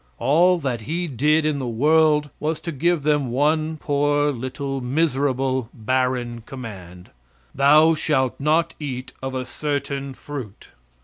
All that He did in the world was to give them one poor little miserable, barren command, "Thou shalt not eat of a certain fruit."